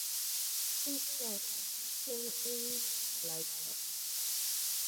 Please, sir, he came in like that.